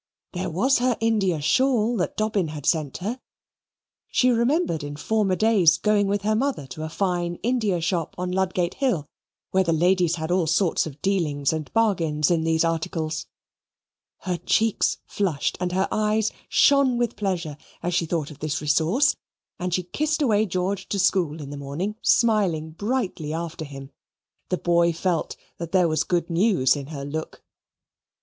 There was her India shawl that Dobbin had sent her. She remembered in former days going with her mother to a fine India shop on Ludgate Hill, where the ladies had all sorts of dealings and bargains in these articles. Her cheeks flushed and her eyes shone with pleasure as she thought of this resource, and she kissed away George to school in the morning, smiling brightly after him. The boy felt that there was good news in her look.